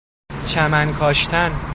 چمن کاشتن